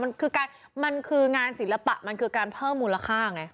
มันคือการมันคืองานศิลปะมันคือการเพิ่มมูลค่าไง